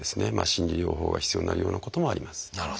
心理療法が必要になるようなこともあります。